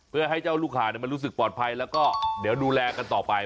เพื่อให้เจ้าลูกหามันรู้สึกปลอดภัยแล้วก็เดี๋ยวดูแลกันต่อไป